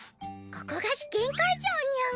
ここが試験会場ニャン。